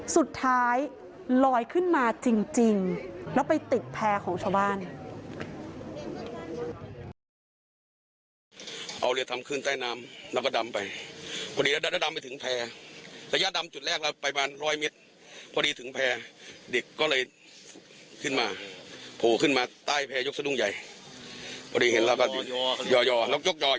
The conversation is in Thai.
สุดท้ายลอยขึ้นมาจริงแล้วไปติดแพร่ของชาวบ้าน